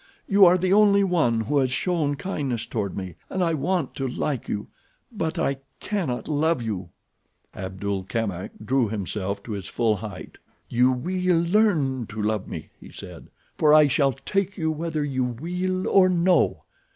You are the only one who has shown kindness toward me, and I want to like you, but I cannot love you." Abdul Kamak drew himself to his full height. "You will learn to love me," he said, "for I shall take you whether you will or no.